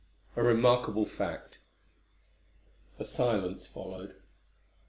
A REMARKABLE FACT. A silence followed.